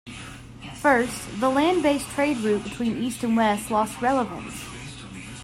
First, the land based trade route between east and west lost relevance.